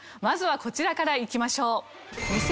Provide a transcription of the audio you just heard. まずはこちらからいきましょう。